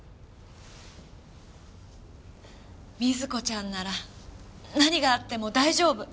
瑞子ちゃんなら何があっても大丈夫！